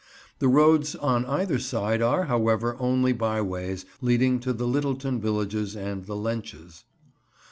The roads on either side are, however, only byways, leading to the Littleton villages and the Lenches.